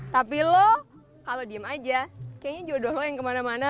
tapi lo kalau diem aja kayaknya jodoh lo yang kemana mana